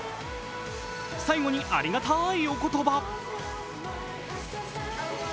最後にありがたいお言葉。